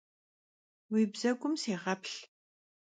Vui bzegum sêğeplh!